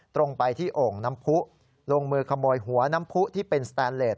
ตรงไปที่โอ่งน้ำผู้ลงมือขโมยหัวน้ำผู้ที่เป็นสแตนเลส